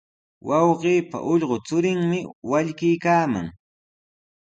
Wawqiipa ullqu churinmi wallkiykaaman.